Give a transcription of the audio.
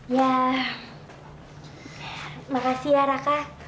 ya makasih ya raka